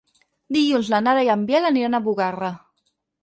Dilluns na Nara i en Biel aniran a Bugarra.